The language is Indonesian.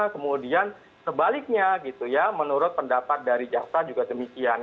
kemudian sebaliknya gitu ya menurut pendapat dari jaksa juga demikian